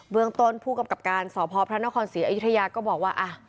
เมืองต้นผู้กำกับการสพพระนครศรีอยุธยาก็บอกว่า